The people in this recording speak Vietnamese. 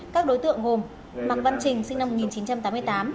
các đối tượng gồm hoàng văn trình sinh năm một nghìn chín trăm tám mươi tám